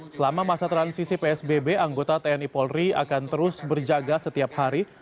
selama masa transisi psbb anggota tni polri akan terus berjaga setiap hari